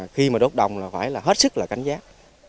khi mà đốt đồng là phải là hết sức là cảnh giác